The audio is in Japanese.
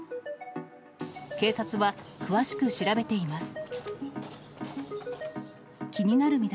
警察は、詳しく調べています。